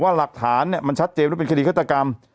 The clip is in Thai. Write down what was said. ว่าหลักฐานเนี่ยมันชัดเจมส์เป็นคดีเครือตรากรรม